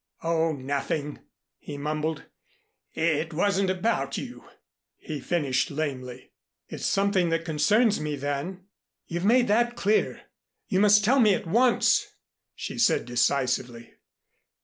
"Oh, nothing," he mumbled. "It wasn't about you," he finished lamely. "It's something that concerns me then. You've made that clear. You must tell me at once," she said decisively.